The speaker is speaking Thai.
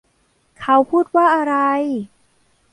เขาพูดว่าอะไร ?